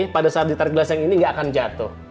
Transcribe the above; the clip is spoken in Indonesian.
pada saat ditarik gelas yang ini nggak akan jatuh